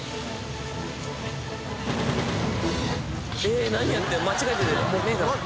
えっ何やってるの？